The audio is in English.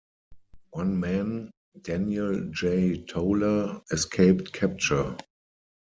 One man, Daniel J. Toler, escaped capture.